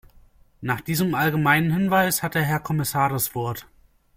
Nach diesem allgemeinen Hinweis hat der Herr Kommissar das Wort.